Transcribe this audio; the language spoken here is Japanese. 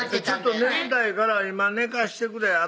「ちょっと眠たいから今寝かしてくれ」